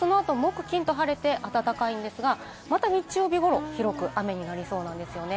そのあと木金は晴れて暖かいんですが、また日曜日頃は広く雨になりそうなんです。